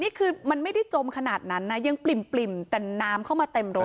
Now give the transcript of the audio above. นี่คือมันไม่ได้จมขนาดนั้นนะยังปริ่มแต่น้ำเข้ามาเต็มรถ